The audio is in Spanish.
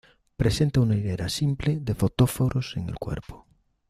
Presenta una hilera simple de fotóforos en el cuerpo.